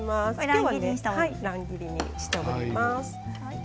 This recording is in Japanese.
今日は乱切りにしてあります。